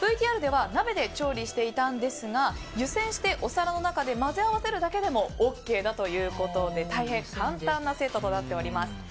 ＶＴＲでは鍋で調理していたんですが湯煎してお皿の中で混ぜ合わせるだけでもＯＫだということで大変簡単なセットとなっております。